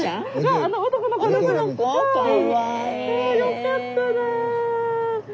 あよかったねえ。